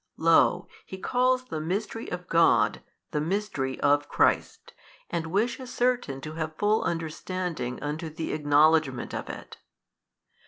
Lo he calls the Mystery of God the Mystery of Christ, and wishes certain to have full understanding unto the acknowledgement of it.